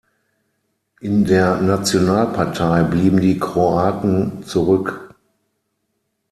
In der Nationalpartei blieben die Kroaten zurück.